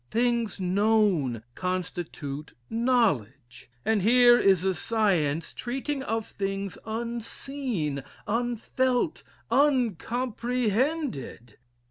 Things known, constitute knowledge; and here is a science treating of things unseen, unfelt, uncomprehended!